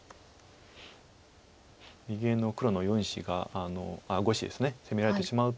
二間の黒の４子があっ５子ですね攻められてしまうと